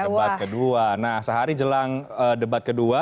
debat kedua nah sehari jelang debat kedua